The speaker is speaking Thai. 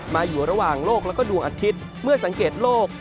อยู่ระหว่างโลกแล้วก็ดวงอาทิตย์เมื่อสังเกตโลก